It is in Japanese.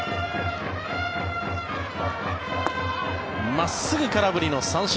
真っすぐ、空振りの三振。